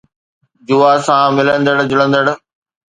جوا سان ملندڙ جلندڙ